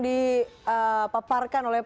di paparkan oleh